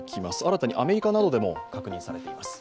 新たにアメリカなどでも確認されています。